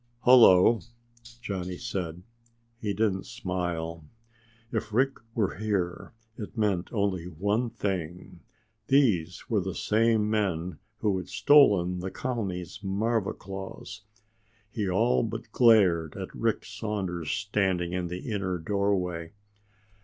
"Hullo," Johnny said. He didn't smile. If Rick were here, it meant only one thing. These were the same men who had stolen the colony's marva claws! He all but glared at Rick Saunders standing in the inner doorway.